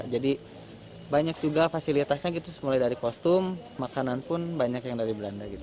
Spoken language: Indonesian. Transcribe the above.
jadi banyak juga fasilitasnya gitu mulai dari kostum makanan pun banyak yang dari belanda gitu